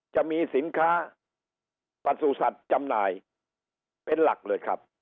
จะมีสินค้าประสุทธิ์สัตว์จำหน่ายเป็นหลักเลยครับ